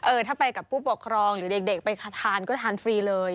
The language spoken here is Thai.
ถ้าไปกับผู้ปกครองหรือเด็กไปทานก็ทานฟรีเลย